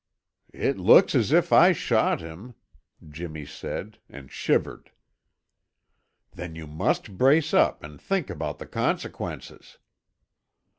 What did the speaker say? "It looks as if I shot him," Jimmy said and shivered. "Then you must brace up and think about the consequences!"